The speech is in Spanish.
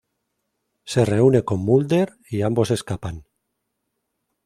Se reúne con Mulder, y ambos escapan.